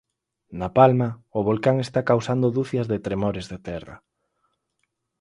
Na Palma, o volcán está causando ducias de tremores de terra.